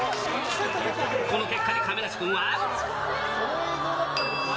この結果に亀梨君は。